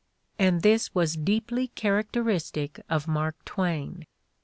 And this was deeply char acteristic of Mark Twain.